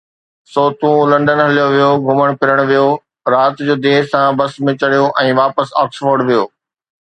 سو تون لنڊن هليو ويو، گهمڻ ڦرڻ ويو، رات جو دير سان بس ۾ چڙهيو ۽ واپس آڪسفورڊ ويو.